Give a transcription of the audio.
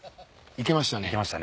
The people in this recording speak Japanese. いけましたね。